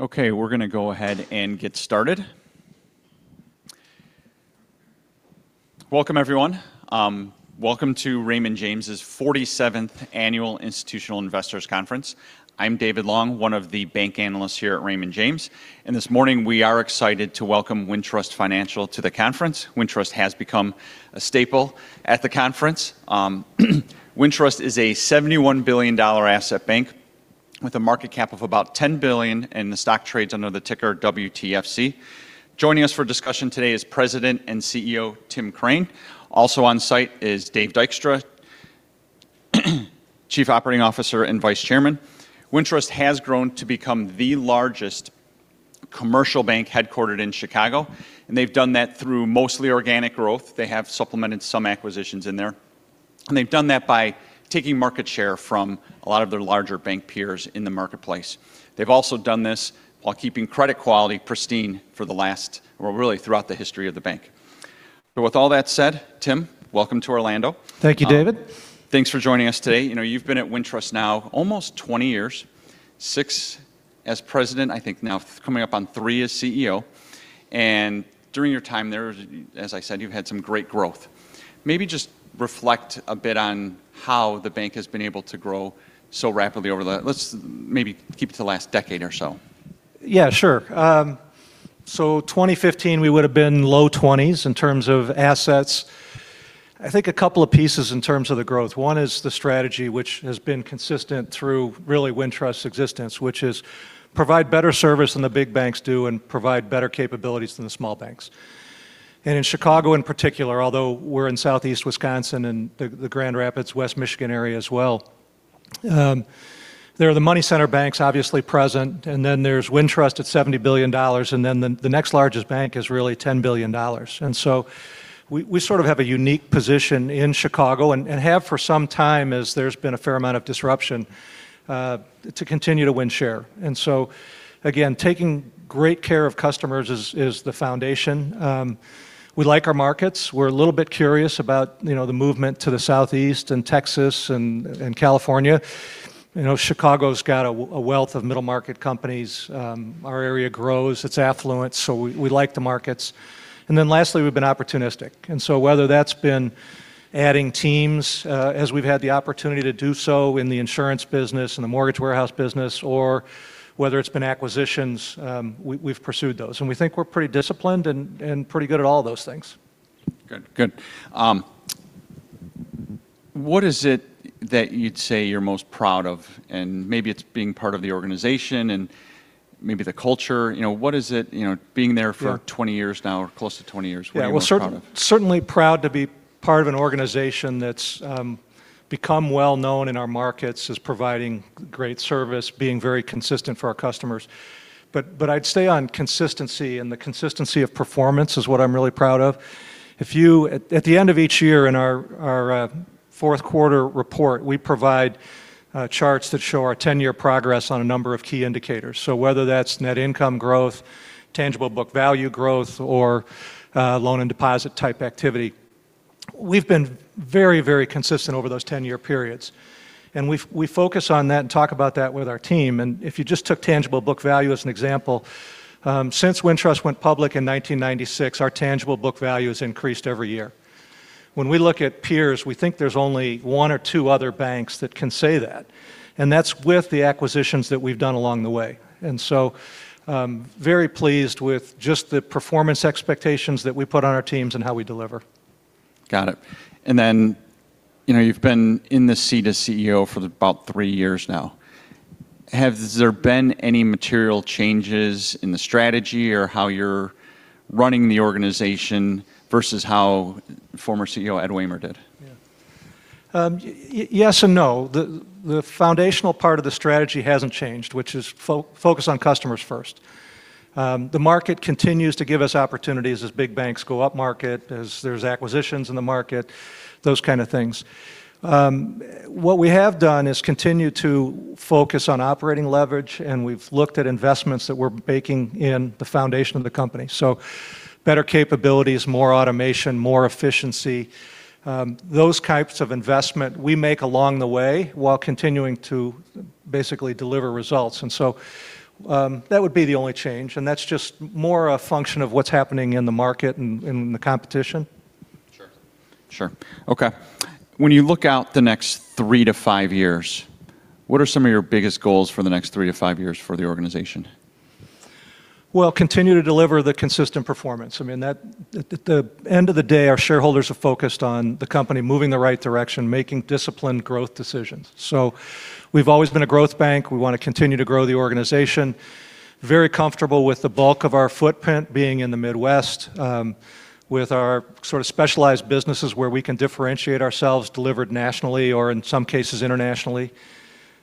Okay, we're gonna go ahead and get started. Welcome everyone. Welcome to Raymond James's 47th Annual Institutional Investors Conference. I'm David Long, one of the bank analysts here at Raymond James, and this morning we are excited to welcome Wintrust Financial to the conference. Wintrust has become a staple at the conference. Wintrust is a $71 billion asset bank with a market cap of about $10 billion, and the stock trades under the ticker WTFC. Joining us for discussion today is President and CEO, Tim Crane. Also on site is Dave Dykstra, Chief Operating Officer and Vice Chairman. Wintrust has grown to become the largest commercial bank headquartered in Chicago, and they've done that through mostly organic growth. They have supplemented some acquisitions in there. They've done that by taking market share from a lot of their larger bank peers in the marketplace. They've also done this while keeping credit quality pristine really throughout the history of the bank. With all that said, Tim, welcome to Orlando. Thank you, David. Thanks for joining us today. You know, you've been at Wintrust now almost 20 years, 6 as President, I think now coming up on three as CEO. During your time there, as I said, you've had some great growth. Maybe just reflect a bit on how the bank has been able to grow so rapidly. Let's maybe keep it to the last decade or so. Yeah, sure. Twenty fifteen we would have been low 20s in terms of assets. I think a couple of pieces in terms of the growth. One is the strategy which has been consistent through really Wintrust's existence, which is provide better service than the big banks do and provide better capabilities than the small banks. In Chicago in particular, although we're in Southeast Wisconsin and the Grand Rapids, West Michigan area as well, there are the money center banks obviously present, and then there's Wintrust at $70 billion, and then the next largest bank is really $10 billion. We sort of have a unique position in Chicago and have for some time as there's been a fair amount of disruption to continue to win share. Again, taking great care of customers is the foundation. We like our markets. We're a little bit curious about, you know, the movement to the Southeast and Texas and California. You know, Chicago's got a wealth of middle market companies. Our area grows, it's affluent, we like the markets. Lastly, we've been opportunistic. Whether that's been adding teams, as we've had the opportunity to do so in the insurance business, in the mortgage warehouse business, or whether it's been acquisitions, we've pursued those. We think we're pretty disciplined and pretty good at all of those things. Good. Good. What is it that you'd say you're most proud of? Maybe it's being part of the organization and maybe the culture. You know, what is it, you know, being there. Yeah... for 20 years now, close to 20 years, what are you most proud of? Yeah. Well, certainly proud to be part of an organization that's become well known in our markets as providing great service, being very consistent for our customers. But I'd stay on consistency, the consistency of performance is what I'm really proud of. At the end of each year in our fourth quarter report, we provide charts that show our 10-year progress on a number of key indicators. Whether that's net income growth, tangible book value growth, or loan and deposit type activity, we've been very, very consistent over those 10-year periods. We focus on that and talk about that with our team. If you just took tangible book value as an example, since Wintrust went public in 1996, our tangible book value has increased every year. When we look at peers, we think there's only one or two other banks that can say that, and that's with the acquisitions that we've done along the way. Very pleased with just the performance expectations that we put on our teams and how we deliver. Got it. You know, you've been in this seat as CEO for about three years now. Have there been any material changes in the strategy or how you're running the organization versus how former CEO Ed Wehmer did? Yeah. Yes and no. The foundational part of the strategy hasn't changed, which is focus on customers first. The market continues to give us opportunities as big banks go up market, as there's acquisitions in the market, those kind of things. What we have done is continue to focus on operating leverage, we've looked at investments that we're making in the foundation of the company. Better capabilities, more automation, more efficiency, those types of investment we make along the way while continuing to basically deliver results. That would be the only change, and that's just more a function of what's happening in the market and the competition. Sure. Sure. Okay. When you look out the next three to five years, what are some of your biggest goals for the next three to five years for the organization? Well, continue to deliver the consistent performance. I mean, that. At the end of the day, our shareholders are focused on the company moving the right direction, making disciplined growth decisions. We've always been a growth bank. We wanna continue to grow the organization. Very comfortable with the bulk of our footprint being in the Midwest, with our sort of specialized businesses where we can differentiate ourselves delivered nationally or in some cases internationally.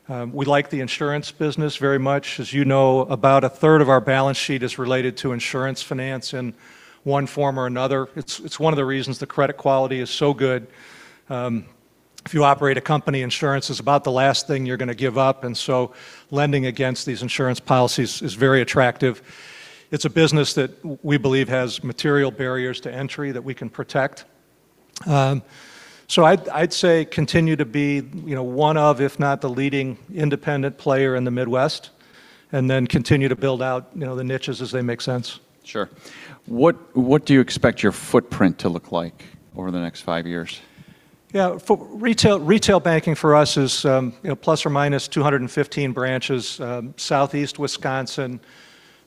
We like the insurance business very much. As you know, about a third of our balance sheet is related to insurance finance in one form or another. It's one of the reasons the credit quality is so good. If you operate a company, insurance is about the last thing you're gonna give up, lending against these insurance policies is very attractive. It's a business that we believe has material barriers to entry that we can protect. I'd say continue to be, you know, one of, if not the leading independent player in the Midwest, and then continue to build out, you know, the niches as they make sense. Sure. What do you expect your footprint to look like over the next five years? Yeah. For retail banking for us is, you know, ±215 branches, Southeast Wisconsin,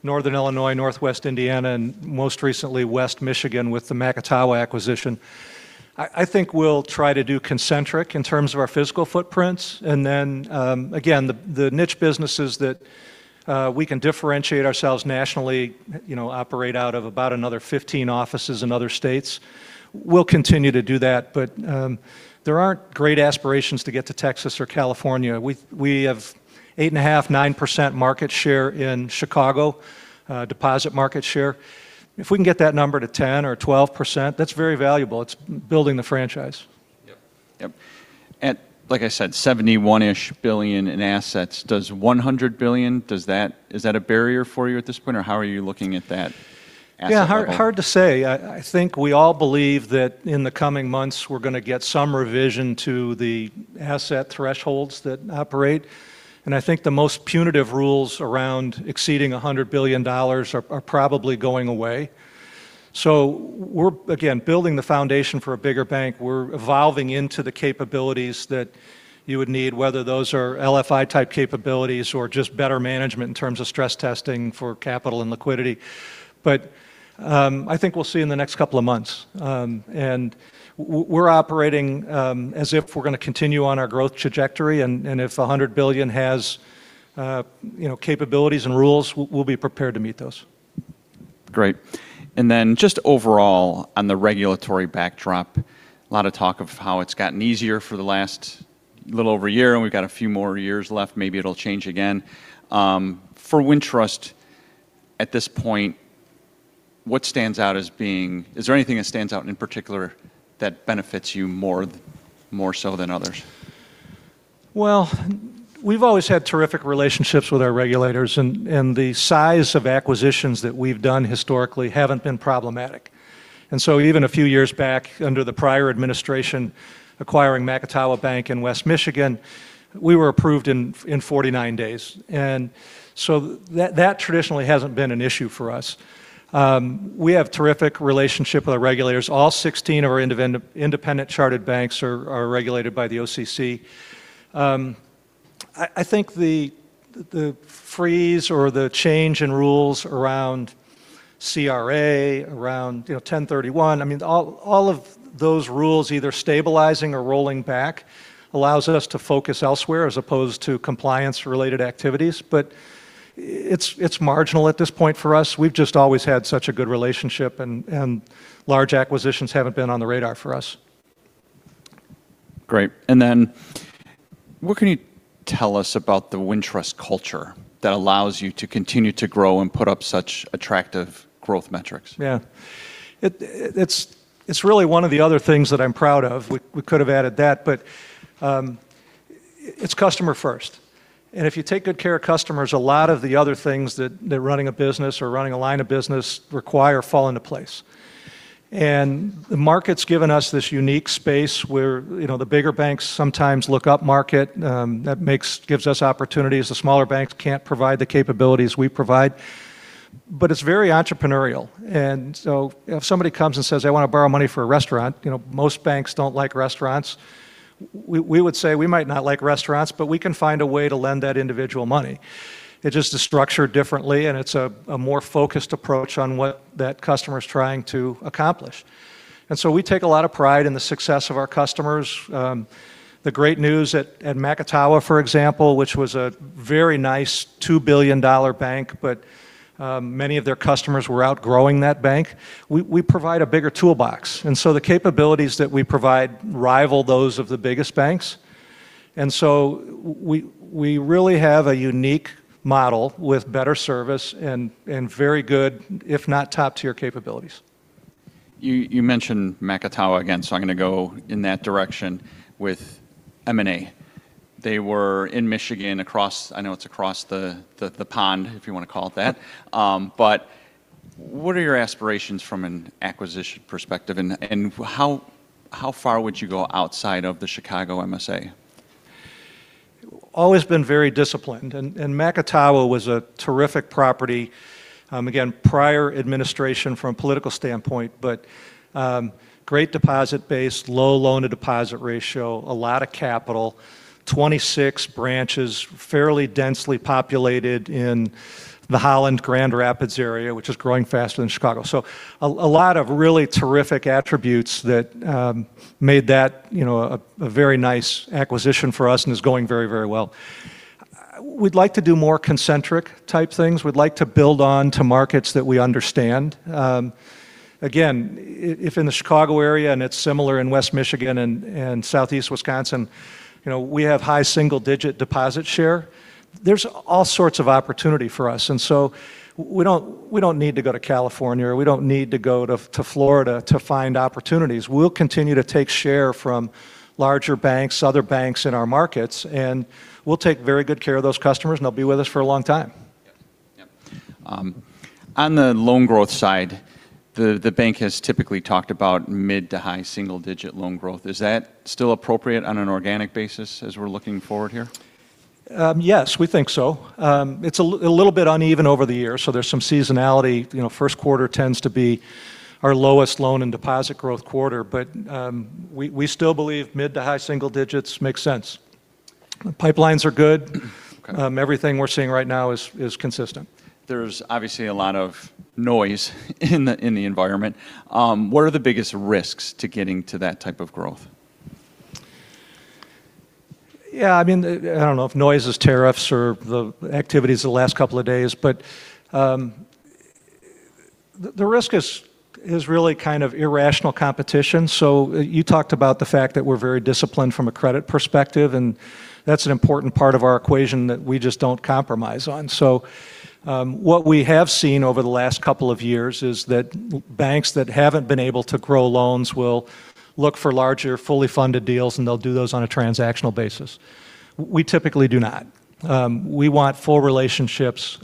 northern Illinois, northwest Indiana, and most recently, west Michigan with the Macatawa acquisition. I think we'll try to do concentric in terms of our physical footprints, and then, again, the niche businesses that we can differentiate ourselves nationally, you know, operate out of about another 15 offices in other states. We'll continue to do that, but there aren't great aspirations to get to Texas or California. We have 8.5%, 9% market share in Chicago, deposit market share. If we can get that number to 10% or 12%, that's very valuable. It's building the franchise. Yep. At, like I said, $71-ish billion in assets, does $100 billion, Is that a barrier for you at this point, or how are you looking at that asset level? Yeah. Hard to say. I think we all believe that in the coming months, we're gonna get some revision to the asset thresholds that operate, and I think the most punitive rules around exceeding $100 billion are probably going away. We're, again, building the foundation for a bigger bank. We're evolving into the capabilities that you would need, whether those are LFI type capabilities or just better management in terms of stress testing for capital and liquidity. I think we'll see in the next couple of months. We're operating, as if we're gonna continue on our growth trajectory, and if 100 billion has, you know, capabilities and rules, we'll be prepared to meet those. Great. Just overall on the regulatory backdrop, a lot of talk of how it's gotten easier for the last little over a year, and we've got a few more years left, maybe it'll change again. For Wintrust at this point, what stands out as being... Is there anything that stands out in particular that benefits you more so than others? We've always had terrific relationships with our regulators, and the size of acquisitions that we've done historically haven't been problematic. Even a few years back under the prior administration acquiring Macatawa Bank in West Michigan, we were approved in 49 days. That traditionally hasn't been an issue for us. We have terrific relationship with our regulators. All 16 of our independent chartered banks are regulated by the OCC. I think the freeze or the change in rules around CRA, around, you know, 1031, I mean, all of those rules either stabilizing or rolling back allows us to focus elsewhere as opposed to compliance related activities, but it's marginal at this point for us. We've just always had such a good relationship, and large acquisitions haven't been on the radar for us. Great. What can you tell us about the Wintrust culture that allows you to continue to grow and put up such attractive growth metrics? Yeah. It's really one of the other things that I'm proud of. We could have added that, but it's customer first. If you take good care of customers, a lot of the other things that running a business or running a line of business require fall into place. The market's given us this unique space where, you know, the bigger banks sometimes look up market, that gives us opportunities. The smaller banks can't provide the capabilities we provide, but it's very entrepreneurial. If somebody comes and says, "I wanna borrow money for a restaurant," you know, most banks don't like restaurants. We would say, we might not like restaurants, but we can find a way to lend that individual money. It's just structured differently, and it's a more focused approach on what that customer's trying to accomplish. We take a lot of pride in the success of our customers. The great news at Macatawa, for example, which was a very nice $2 billion bank, but many of their customers were outgrowing that bank. We provide a bigger toolbox. The capabilities that we provide rival those of the biggest banks. We really have a unique model with better service and very good, if not top tier capabilities. You mentioned Macatawa again, I'm gonna go in that direction with M&A. They were in Michigan across I know it's across the pond, if you wanna call it that. What are your aspirations from an acquisition perspective and how far would you go outside of the Chicago MSA? Always been very disciplined, Macatawa was a terrific property. Again, prior administration from a political standpoint, great deposit base, low loan to deposit ratio, a lot of capital, 26 branches, fairly densely populated in the Holland Grand Rapids area, which is growing faster than Chicago. A lot of really terrific attributes that made that, you know, a very nice acquisition for us and is going very, very well. We'd like to do more concentric type things. We'd like to build on to markets that we understand. Again, if in the Chicago area, it's similar in West Michigan and Southeast Wisconsin, you know, we have high single digit deposit share. There's all sorts of opportunity for us. We don't, we don't need to go to California, or we don't need to go to Florida to find opportunities. We'll continue to take share from larger banks, other banks in our markets, and we'll take very good care of those customers, and they'll be with us for a long time. On the loan growth side, the bank has typically talked about mid to high single digit loan growth. Is that still appropriate on an organic basis as we're looking forward here? Yes, we think so. It's a little bit uneven over the years, so there's some seasonality. You know, first quarter tends to be our lowest loan and deposit growth quarter. We still believe mid to high single digits makes sense. Pipelines are good. Everything we're seeing right now is consistent. There's obviously a lot of noise in the, in the environment. What are the biggest risks to getting to that type of growth? I mean, I don't know if noise is tariffs or the activities the last couple of days, the risk is really kind of irrational competition. You talked about the fact that we're very disciplined from a credit perspective, and that's an important part of our equation that we just don't compromise on. What we have seen over the last couple of years is that banks that haven't been able to grow loans will look for larger fully funded deals, and they'll do those on a transactional basis. We typically do not. We want full relationships,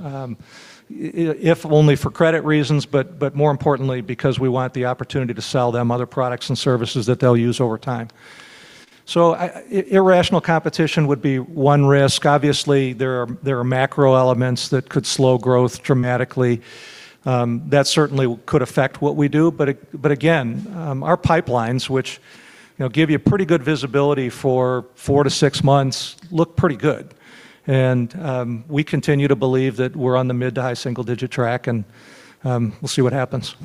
if only for credit reasons, but more importantly because we want the opportunity to sell them other products and services that they'll use over time. Irrational competition would be one risk. Obviously, there are macro elements that could slow growth dramatically. That certainly could affect what we do. Again, our pipelines, which, you know, give you pretty good visibility for four to six months, look pretty good. We continue to believe that we're on the mid to high single digit track and we'll see what happens.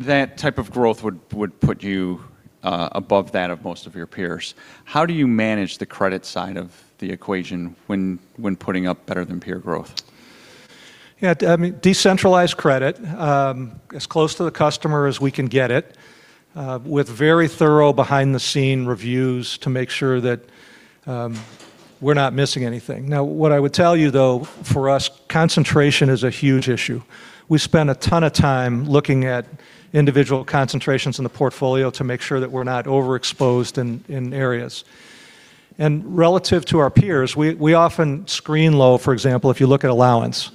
That type of growth would put you above that of most of your peers. How do you manage the credit side of the equation when putting up better than peer growth? Yeah, I mean, decentralized credit, as close to the customer as we can get it, with very thorough behind-the-scene reviews to make sure that we're not missing anything. What I would tell you, though, for us, concentration is a huge issue. We spend a ton of time looking at individual concentrations in the portfolio to make sure that we're not overexposed in areas. Relative to our peers, we often screen low. For example, if you look at allowance,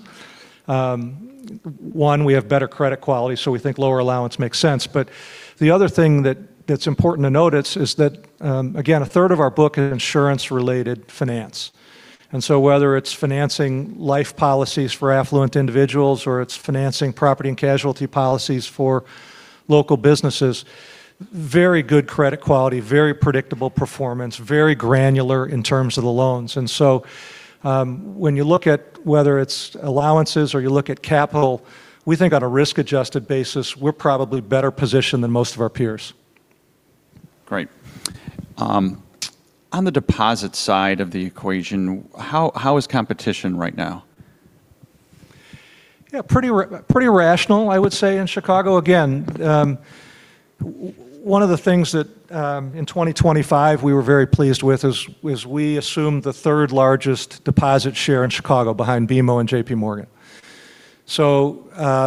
one, we have better credit quality, so we think lower allowance makes sense. The other thing that's important to notice is that again, a third of our book is insurance-related finance. Whether it's financing life policies for affluent individuals or it's financing property and casualty policies for local businesses, very good credit quality, very predictable performance, very granular in terms of the loans. When you look at whether it's allowances or you look at capital, we think on a risk-adjusted basis, we're probably better positioned than most of our peers. Great. On the deposit side of the equation, how is competition right now? Yeah, pretty rational, I would say, in Chicago. Again, one of the things that in 2025 we were very pleased with is we assumed the third largest deposit share in Chicago behind BMO and JPMorgan.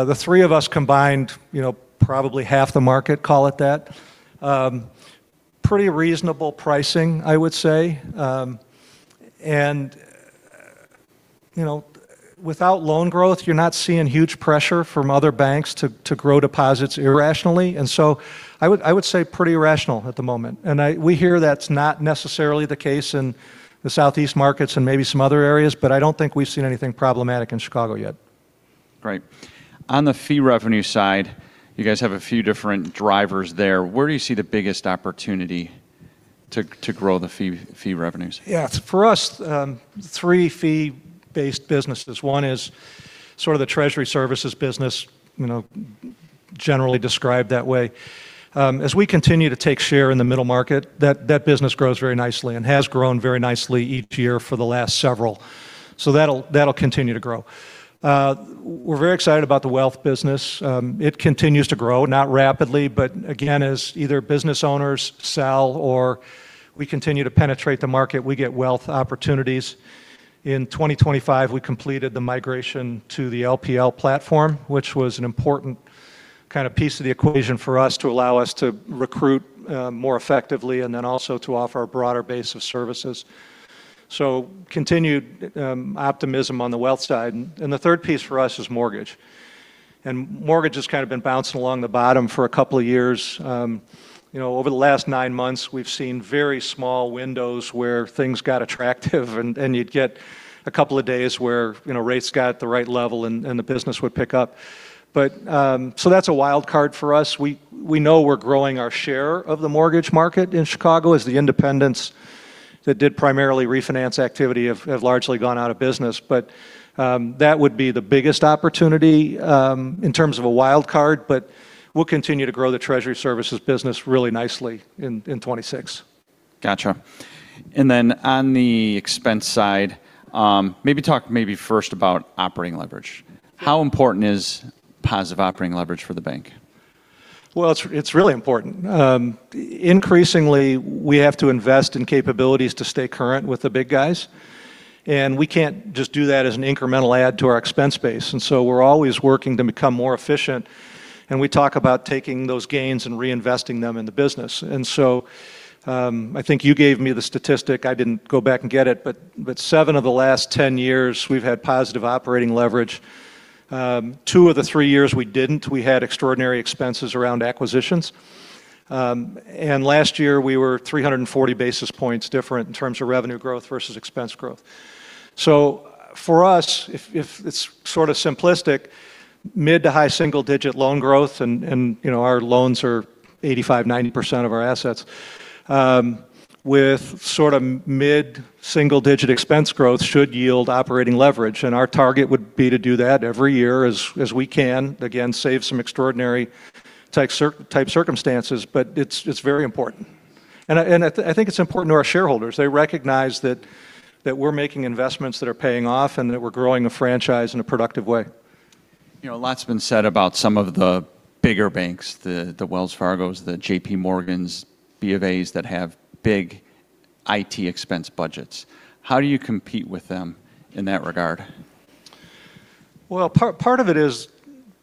The three of us combined, you know, probably half the market, call it that. Pretty reasonable pricing, I would say. You know, without loan growth, you're not seeing huge pressure from other banks to grow deposits irrationally. I would say pretty rational at the moment. We hear that's not necessarily the case in the southeast markets and maybe some other areas, but I don't think we've seen anything problematic in Chicago yet. Great. On the fee revenue side, you guys have a few different drivers there. Where do you see the biggest opportunity to grow the fee revenues? Yeah. For us, 3 fee-based businesses. One is sort of the treasury services business, you know, generally described that way. As we continue to take share in the middle market, that business grows very nicely and has grown very nicely each year for the last several. That'll continue to grow. We're very excited about the wealth business. It continues to grow, not rapidly, but again, as either business owners sell or we continue to penetrate the market, we get wealth opportunities. In 2025, we completed the migration to the LPL platform, which was an important kind of piece of the equation for us to allow us to recruit more effectively and then also to offer a broader base of services. Continued optimism on the wealth side. The 3rd piece for us is mortgage. Mortgage has kind of been bouncing along the bottom for a couple of years. You know, over the last nine months, we've seen very small windows where things got attractive and you'd get a couple of days where, you know, rates got at the right level and the business would pick up. That's a wild card for us. We know we're growing our share of the mortgage market in Chicago as the independents that did primarily refinance activity have largely gone out of business. That would be the biggest opportunity in terms of a wild card. We'll continue to grow the treasury services business really nicely in 2026. Gotcha. On the expense side, maybe talk maybe first about operating leverage. How important is positive operating leverage for the bank? It's really important. Increasingly, we have to invest in capabilities to stay current with the big guys, and we can't just do that as an incremental add to our expense base. We're always working to become more efficient, and we talk about taking those gains and reinvesting them in the business. I think you gave me the statistic. I didn't go back and get it, but seven of the last 10 years we've had positive operating leverage. two of the three years we didn't. We had extraordinary expenses around acquisitions. Last year we were 340 basis points different in terms of revenue growth versus expense growth. For us, if it's sort of simplistic, mid to high single digit loan growth and, you know, our loans are 85%, 90% of our assets, with sort of mid-single digit expense growth should yield operating leverage. Our target would be to do that every year as we can. Again, save some extraordinary type circumstances, but it's very important. I think it's important to our shareholders. They recognize that we're making investments that are paying off and that we're growing a franchise in a productive way. You know, a lot's been said about some of the bigger banks, the Wells Fargos, the JPMorgans, BofAs that have big IT expense budgets. How do you compete with them in that regard? Well, part of it is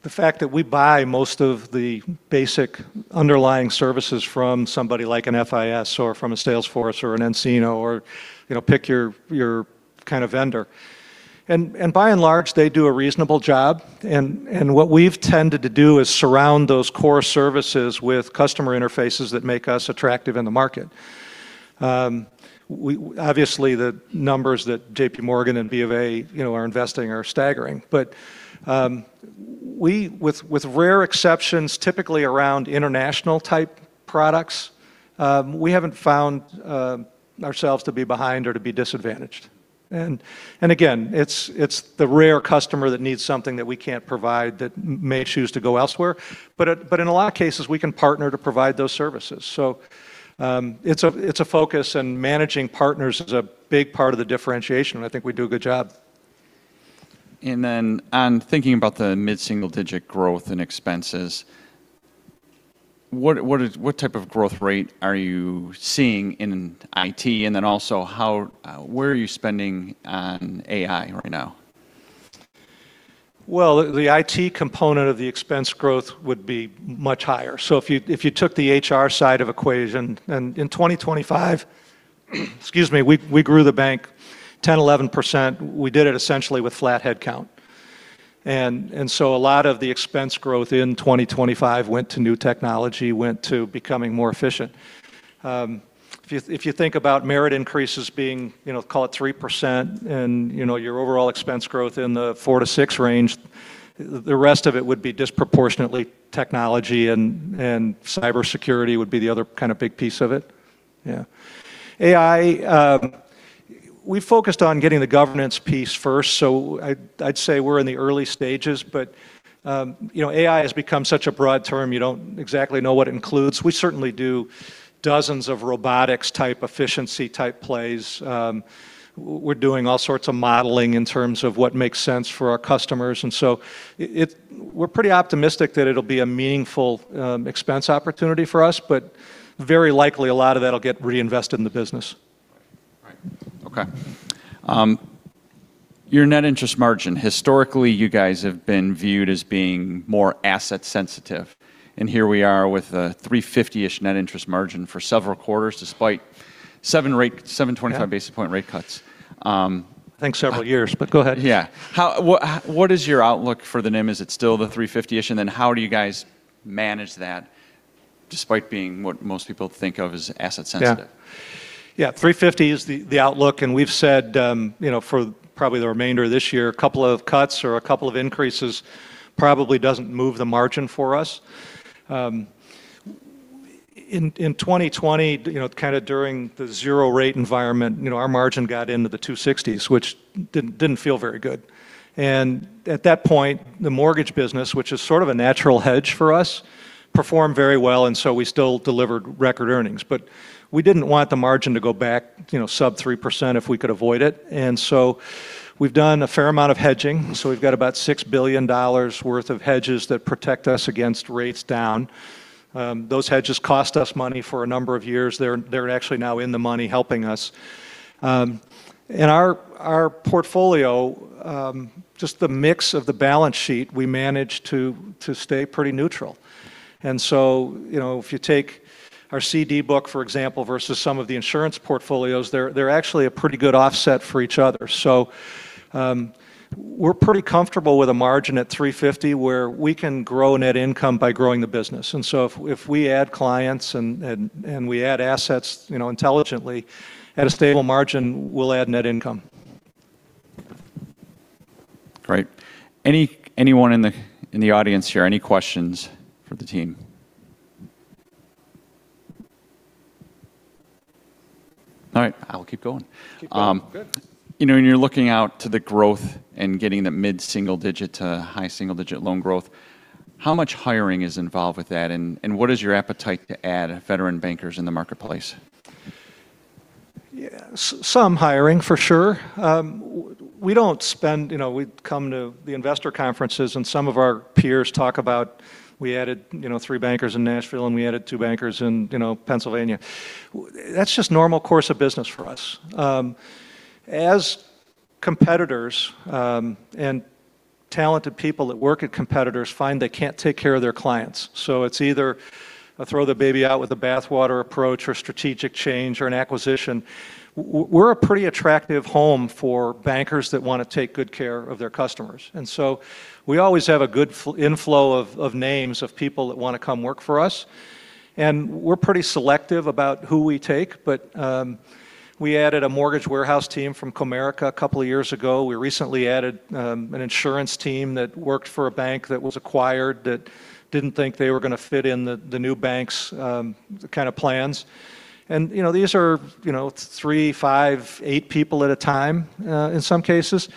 the fact that we buy most of the basic underlying services from somebody like an FIS or from a Salesforce or an nCino or, you know, pick your kind of vendor. By and large, they do a reasonable job. What we've tended to do is surround those core services with customer interfaces that make us attractive in the market. Obviously, the numbers that JPMorgan and BofA, you know, are investing are staggering. We, with rare exceptions, typically around international type products, we haven't found ourselves to be behind or to be disadvantaged. Again, it's the rare customer that needs something that we can't provide that may choose to go elsewhere. In a lot of cases, we can partner to provide those services. It's a focus, and managing partners is a big part of the differentiation, and I think we do a good job. On thinking about the mid-single digit growth and expenses, what type of growth rate are you seeing in IT? How, where are you spending on AI right now? The IT component of the expense growth would be much higher. If you took the HR side of equation, in 2025, excuse me, we grew the bank 10%-11%. We did it essentially with flat headcount. A lot of the expense growth in 2025 went to new technology, went to becoming more efficient. If you think about merit increases being, you know, call it 3%, you know, your overall expense growth in the 4%-6% range, the rest of it would be disproportionately technology and cybersecurity would be the other kind of big piece of it. Yeah. AI, we focused on getting the governance piece first, I'd say we're in the early stages. You know, AI has become such a broad term, you don't exactly know what it includes. We certainly do dozens of robotics-type, efficiency-type plays. We're doing all sorts of modeling in terms of what makes sense for our customers. We're pretty optimistic that it'll be a meaningful expense opportunity for us, but very likely a lot of that'll get reinvested in the business. Right. Okay. Your net interest margin, historically, you guys have been viewed as being more asset sensitive. Here we are with a 3.50%-ish net interest margin for several quarters despite seven. Yeah... 725 basis point rate cuts. I think several years, go ahead. Yeah. What is your outlook for the NIM? Is it still the 3.50-ish? How do you guys manage that despite being what most people think of as asset sensitive? Yeah. Yeah, 3.50% is the outlook, and we've said, you know, for probably the remainder of this year, a couple of cuts or a couple of increases probably doesn't move the margin for us. In 2020, you know, kind of during the zero rate environment, you know, our margin got into the 2.60s, which didn't feel very good. At that point, the mortgage business, which is sort of a natural hedge for us, performed very well. We still delivered record earnings. We didn't want the margin to go back, you know, sub 3% if we could avoid it. We've done a fair amount of hedging, so we've got about $6 billion worth of hedges that protect us against rates down. Those hedges cost us money for a number of years. They're actually now in the money helping us. Our portfolio, just the mix of the balance sheet, we managed to stay pretty neutral. You know, if you take our CD book, for example, versus some of the insurance portfolios, they're actually a pretty good offset for each other. We're pretty comfortable with a margin at 350 where we can grow net income by growing the business. If we add clients and we add assets, you know, intelligently at a stable margin, we'll add net income. Great. Anyone in the audience here, any questions for the team? All right, I'll keep going. Keep going. Good. You know, when you're looking out to the growth and getting that mid-single digit to high single digit loan growth, how much hiring is involved with that, and what is your appetite to add veteran bankers in the marketplace? Yeah, some hiring, for sure. We don't spend... You know, we come to the investor conferences and some of our peers talk about, "We added, you know, three bankers in Nashville, and we added two bankers in, you know, Pennsylvania." That's just normal course of business for us. As competitors, and talented people that work at competitors find they can't take care of their clients, so it's either a throw the baby out with the bathwater approach or strategic change or an acquisition, we're a pretty attractive home for bankers that wanna take good care of their customers. We always have a good inflow of names of people that wanna come work for us. We're pretty selective about who we take, but, we added a mortgage warehouse team from Comerica two years ago. We recently added, an insurance team that worked for a bank that was acquired that didn't think they were gonna fit in the new bank's, kinda plans. You know, these are, you know, three, five, eight people at a time, in some cases.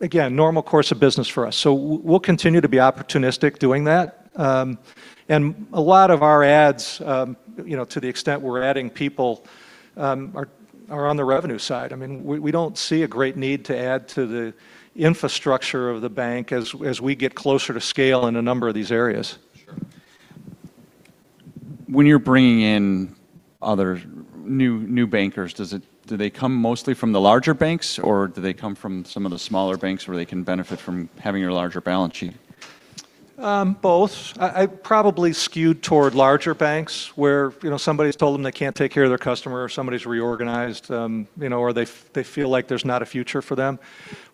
Again, normal course of business for us. We'll continue to be opportunistic doing that. A lot of our adds, you know, to the extent we're adding people, are on the revenue side. I mean, we don't see a great need to add to the infrastructure of the bank as we get closer to scale in a number of these areas. Sure. When you're bringing in other new bankers, do they come mostly from the larger banks, or do they come from some of the smaller banks where they can benefit from having a larger balance sheet? Both. I probably skew toward larger banks, where, you know, somebody's told them they can't take care of their customer, or somebody's reorganized, you know, or they feel like there's not a future for them.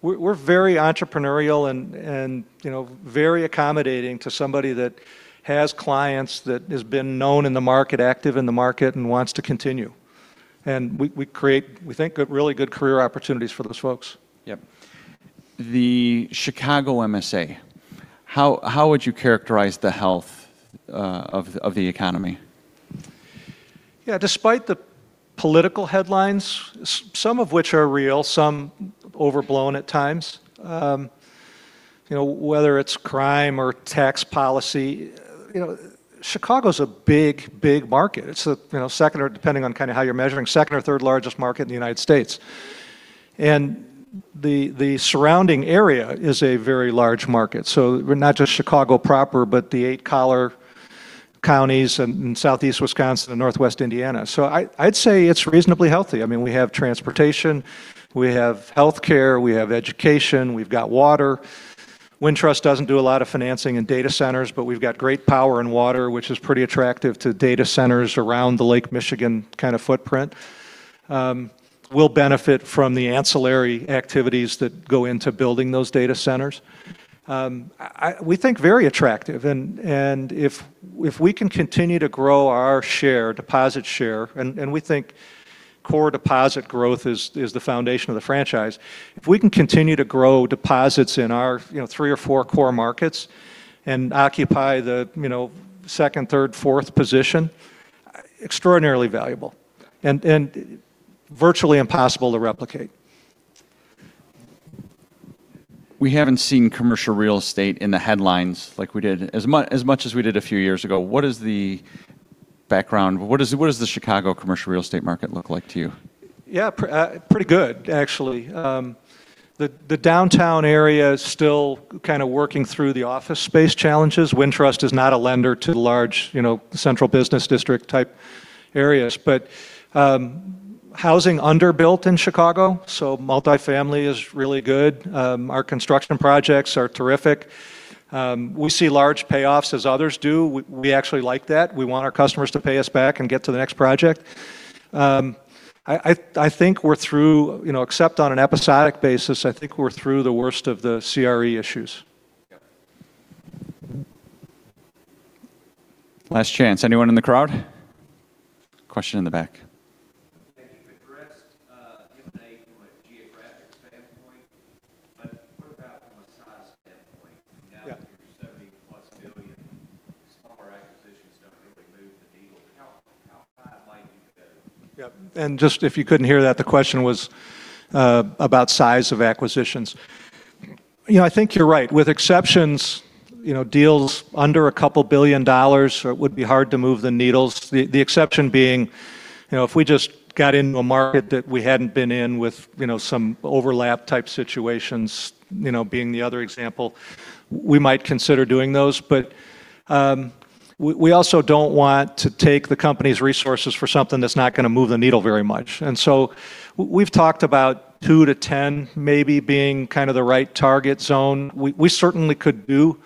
We're very entrepreneurial and, you know, very accommodating to somebody that has clients that has been known in the market, active in the market and wants to continue. We create, we think, good, really good career opportunities for those folks. Yeah. The Chicago MSA, how would you characterize the health of the economy? Yeah. Despite the political headlines, some of which are real, some overblown at times, you know, whether it's crime or tax policy, you know, Chicago's a big, big market. It's a, you know, second or, depending on kinda how you're measuring, second or third-largest market in the United States. The, the surrounding area is a very large market, so we're not just Chicago proper, but the eight collar counties in Southeast Wisconsin and Northwest Indiana. I'd say it's reasonably healthy. I mean, we have transportation, we have healthcare, we have education, we've got water. Wintrust doesn't do a lot of financing in data centers, but we've got great power and water, which is pretty attractive to data centers around the Lake Michigan kinda footprint. We'll benefit from the ancillary activities that go into building those data centers. I, we think very attractive. If we can continue to grow our share, deposit share, and we think core deposit growth is the foundation of the franchise. If we can continue to grow deposits in our, you know, three or four core markets and occupy the, you know, second, third, fourth position, extraordinarily valuable and virtually impossible to replicate. We haven't seen commercial real estate in the headlines like we did as much as we did a few years ago. What is the background? What does the Chicago commercial real estate market look like to you? Yeah. pretty good, actually. The downtown area is still kinda working through the office space challenges. Wintrust is not a lender to large, you know, central business district type areas. Housing underbuilt in Chicago, so multifamily is really good. Our construction projects are terrific. We see large payoffs, as others do. We actually like that. We want our customers to pay us back and get to the next project. I think we're through, you know, except on an episodic basis, I think we're through the worst of the CRE issues. Yeah. Last chance. Anyone in the crowd? Question in the back. You've addressed, M&A from a geographic standpoint, but what about from a size standpoint? Yeah. Now that you're $70-plus billion, smaller acquisitions don't really move the needle. How high might you go? Yeah. Just if you couldn't hear that, the question was about size of acquisitions. You know, I think you're right. With exceptions, you know, deals under a couple billion dollars would be hard to move the needles, the exception being, you know, if we just got into a market that we hadn't been in with, you know, some overlap type situations, you know, being the other example, we might consider doing those. we also don't want to take the company's resources for something that's not gonna move the needle very much. we've talked about two to 10 maybe being kind of the right target zone. We certainly could do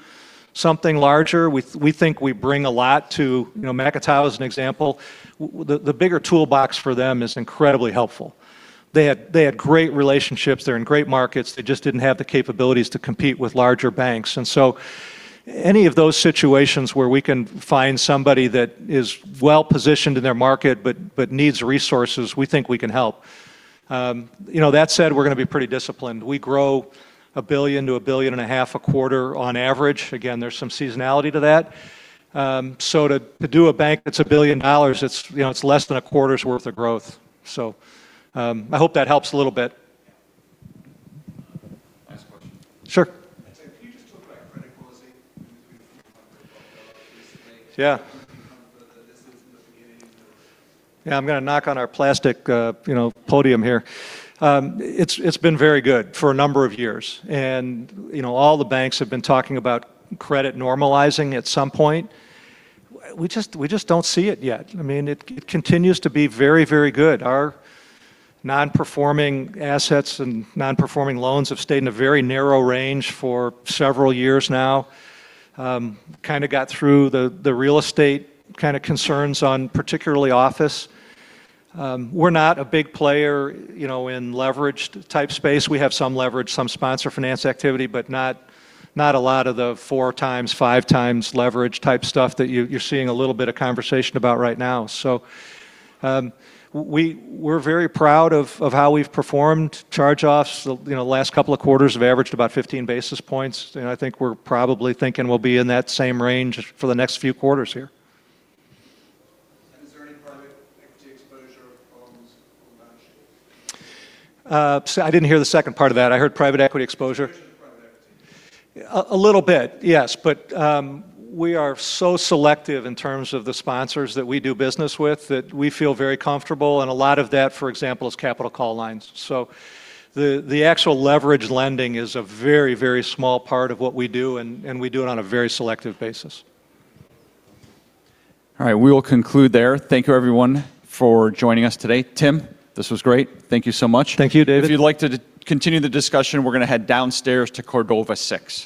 something larger. We think we bring a lot to, you know, Macatawa as an example. the bigger toolbox for them is incredibly helpful. They had great relationships. They're in great markets. They just didn't have the capabilities to compete with larger banks. Any of those situations where we can find somebody that is well-positioned in their market but needs resources, we think we can help. You know, that said, we're gonna be pretty disciplined. We grow $1 billion-$1.5 billion a quarter on average. Again, there's some seasonality to that. To do a bank that's $1 billion, it's, you know, it's less than a quarter's worth of growth. I hope that helps a little bit. Last question. Sure. Can you just talk about credit quality? Yeah. Recently. Yeah. How much of this is in the beginning of? I'm gonna knock on our plastic, you know, podium here. It's been very good for a number of years, and, you know, all the banks have been talking about credit normalizing at some point. We just, we just don't see it yet. I mean, it continues to be very, very good. Our non-performing assets and non-performing loans have stayed in a very narrow range for several years now. Kinda got through the real estate kinda concerns on particularly office. We're not a big player, you know, in leveraged type space. We have some leverage, some sponsor finance activity, but not a lot of the 4 times, 5 times leverage type stuff that you're seeing a little bit of conversation about right now. We're very proud of how we've performed. Charge-offs, you know, the last couple of quarters have averaged about 15 basis points, and I think we're probably thinking we'll be in that same range for the next few quarters here. Is there any private equity exposure on this, on the balance sheet? I didn't hear the second part of that. I heard private equity exposure. Exposure to private equity. A little bit, yes. We are so selective in terms of the sponsors that we do business with that we feel very comfortable, and a lot of that, for example, is capital call lines. The actual leverage lending is a very, very small part of what we do, and we do it on a very selective basis. All right, we will conclude there. Thank you, everyone, for joining us today. Tim, this was great. Thank you so much. Thank you, David. If you'd like to continue the discussion, we're gonna head downstairs to Cordova 6.